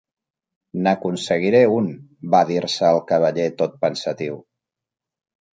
"N'aconseguiré un", va dir-se el Cavaller tot pensatiu.